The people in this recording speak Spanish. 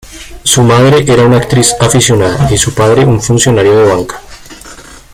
Su madre era una actriz aficionada y su padre un funcionario de banca.